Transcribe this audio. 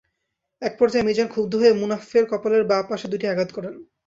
একপর্যায়ে মিজান ক্ষুব্ধ হয়ে মুন্নাফের কপালের বাঁ পাশে দুটি আঘাত করেন।